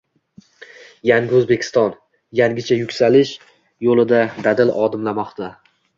Yangi O‘zbekiston – yangicha yuksalish yo‘lida dadil odimlamoqda